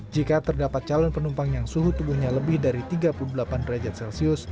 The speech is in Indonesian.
jika terdapat calon penumpang yang suhu tubuhnya lebih dari tiga puluh delapan derajat celcius